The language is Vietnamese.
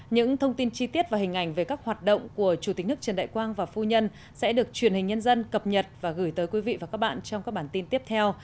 những thông tin chi tiết và hình ảnh về các hoạt động của chủ tịch nước trần đại quang và phu nhân sẽ được truyền hình nhân dân cập nhật và gửi tới quý vị và các bạn trong các bản tin tiếp theo